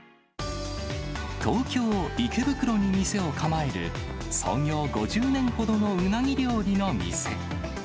東京・池袋に店を構える、創業５０年ほどのうなぎ料理の店。